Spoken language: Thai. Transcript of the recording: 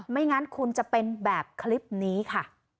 ไม่งั้นคุณจะเป็นแบบคลิปนี้ค่ะ